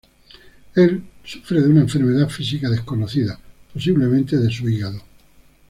Él sufre de una enfermedad física desconocida, posiblemente de su hígado.